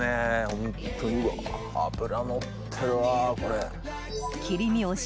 ホントにうわ脂のってるわこれ。